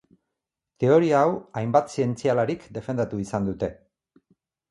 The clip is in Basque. Teoria hau hainbat zientzialarik defendatu izan dute.